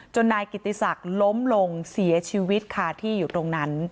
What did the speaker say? นายกิติศักดิ์ล้มลงเสียชีวิตค่ะที่อยู่ตรงนั้น